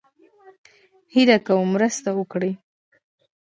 هيله کوم مرسته وکړئ